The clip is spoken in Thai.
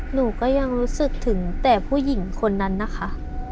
หนูก็ยังรู้สึกถึงแต่ผู้หญิงคนนั้นนะคะ